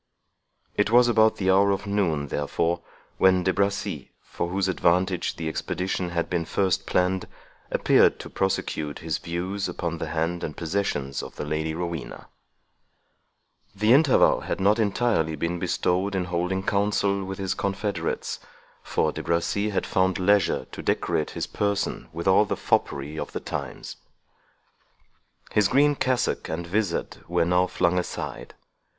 It was about the hour of noon, therefore, when De Bracy, for whose advantage the expedition had been first planned, appeared to prosecute his views upon the hand and possessions of the Lady Rowena. The interval had not entirely been bestowed in holding council with his confederates, for De Bracy had found leisure to decorate his person with all the foppery of the times. His green cassock and vizard were now flung aside.